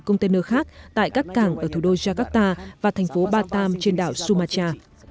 container khác tại các cảng ở thủ đô jakarta và thành phố batam trên đảo sumacha